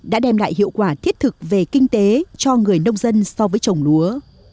đã đem lại hiệu quả thiết thực về kinh tế cho người nông dân so với trồng lúa